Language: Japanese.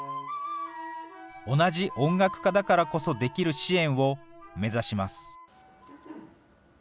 同じ音楽家だからこそできる支援を目指します。